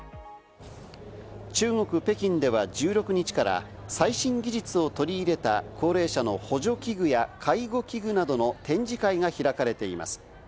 中国・北京では１６日から最新技術を取り入れた高齢者の補助器具や介護器具などの展示会が開かれています。